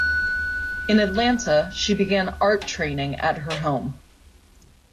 In Atlanta she began art training at her home.